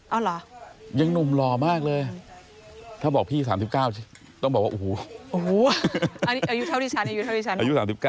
เอาเหรอยังหนุ่มหล่อมากเลยถ้าบอกพี่๓๙ต้องบอกว่าโอ้โหอายุเท่าที่ฉันอายุเท่าที่ฉันอายุ๓๙